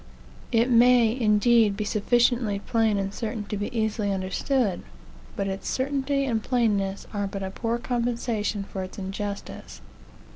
It may, indeed, be sufficiently plain and certain to be easily understood; but its certainty and plainness are but a poor compensation for its injustice.